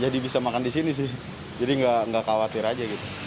jadi bisa makan di sini sih jadi nggak khawatir aja gitu